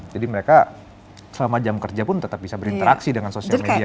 jadi mereka selama jam kerja pun tetap bisa berinteraksi dengan social media nya